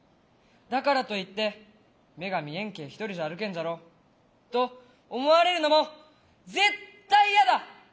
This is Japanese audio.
だからといって「目が見えんけん一人じゃ歩けんじゃろ」と思われるのも絶対嫌だ。